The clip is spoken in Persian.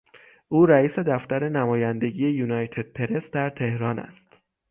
او رئیس دفتر نمایندگی یونایتدپرس در تهران است.